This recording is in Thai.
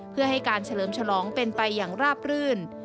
เพื่อให้การเฉลิมฉลองเป็นไปอย่างราบรื่น